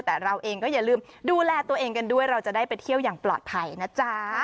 แต่เราเองก็อย่าลืมดูแลตัวเองกันด้วยเราจะได้ไปเที่ยวอย่างปลอดภัยนะจ๊ะ